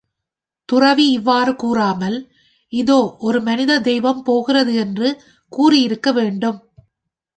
துறவி இவ்வாறு கூறாமல், இதோ ஒரு மனிதத் தெய்வம் போகிறது என்று கூறியிருக்க வேண்டும்.